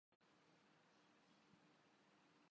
برصغیر کی پرانی روایت یہی رہی ہے۔